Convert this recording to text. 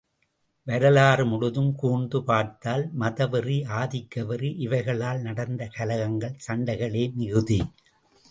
வரலாறு முழுதும் கூர்ந்து பார்த்தால் மதவெறி ஆதிக்க வெறி இவைகளால் நடந்த கலகங்கள், சண்டைகளே மிகுதி.